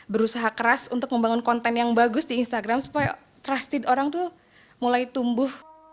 berusaha keras untuk membangun konten yang bagus di instagram supaya trust orang tuh mulai tumbuh